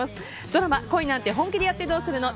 ドラマ「恋なんて、本気でやってどうするの？」